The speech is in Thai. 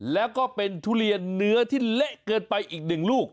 แล้วก็เป็นทุเรียนเนื้อที่เละเกินไปอีกหนึ่งลูก